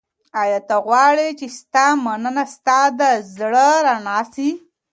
ایا ته غواړې چي ستا مننه ستا د زړه رڼا سي؟